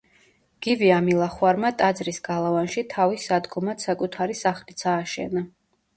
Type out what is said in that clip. გივი ამილახვარმა ტაძრის გალავანში „თავის სადგომად“ საკუთარი სახლიც ააშენა.